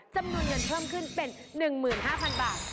จำนวนเงินเพิ่มขึ้นเป็น๑๕๐๐๐บาท